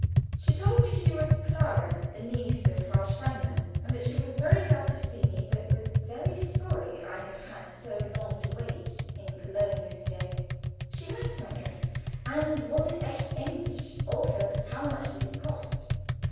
She told me she was Clara, the niece of Frau Steinmann, and that she was very glad to see me, but was very sorry I had had so long to wait in Köln yesterday. She liked my dress, and was it echt Englisch also, how much did it cost?